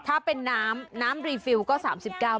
ถ้าเป็นน้ำน้ำรีฟิลก็๓๙บาท